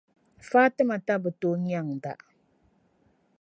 Fatimata bi tooi nyaŋ’da.